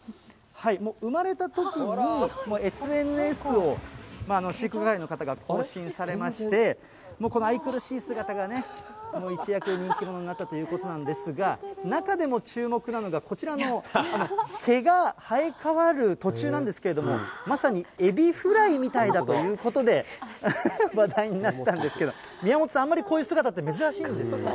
生まれたときに、ＳＮＳを、飼育係の方が更新されまして、この愛くるしい姿がね、一躍人気者になったということなんですが、中でも注目なのが、こちらの、毛が生え変わる途中なんですけれども、まさにエビフライみたいだということで、話題になったんですけど、宮本さん、あんまりこういう姿って珍しいんですか？